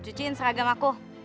cuciin seragam aku